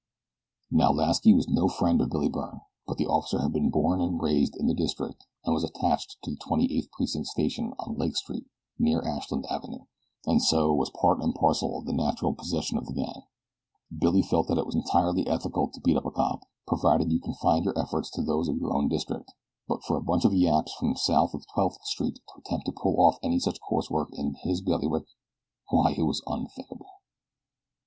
Now Lasky was no friend of Billy Byrne; but the officer had been born and raised in the district and was attached to the Twenty eighth Precinct Station on Lake Street near Ashland Avenue, and so was part and parcel of the natural possession of the gang. Billy felt that it was entirely ethical to beat up a cop, provided you confined your efforts to those of your own district; but for a bunch of yaps from south of Twelfth Street to attempt to pull off any such coarse work in his bailiwick why it was unthinkable.